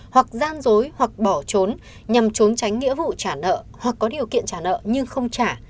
hoặc gian dối hoặc bỏ trốn nhằm trốn tránh nghĩa vụ trả nợ hoặc có điều kiện trả nợ nhưng không trả